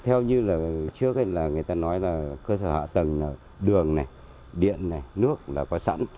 theo như là trước là người ta nói là cơ sở hạ tầng đường này điện này nước là có sẵn